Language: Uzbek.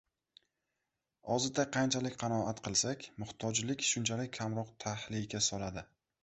Ozita qanchalik qanoat qilsak, muhtojlik shunchalik kamroq tahlika soladi.